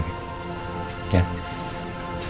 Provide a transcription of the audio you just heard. ya makasih udah diingetin